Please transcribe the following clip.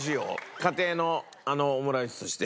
家庭のオムライスとして。